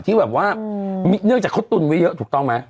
ที่แบบว่าเนื่องจากเขาตุนไว้เยอะถูกต้องไหม